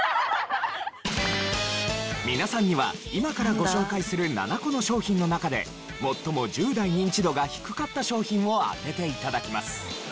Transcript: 皆さんには今からご紹介する７個の商品の中で最も１０代ニンチドが低かった商品を当てて頂きます。